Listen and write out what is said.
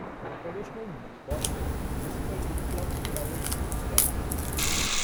The traditional Buchtel is filled with plum Powidl jam.